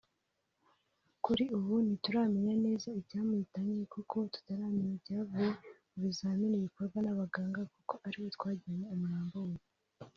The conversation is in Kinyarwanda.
Kuri ubu ntituramenya neza icyamuhitanye kuko tutaramenya icyavuye mu bizamini bikorwa n’abaganga kuko ariho twajyanye umurambo we”